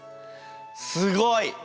すごい！